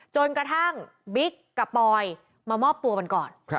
จนกระทั่งบิ๊กกับปอยมามอบตัววันก่อน